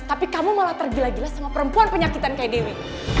tapi kamu malah tergila gila sama perempuan penyakitan kayak dewi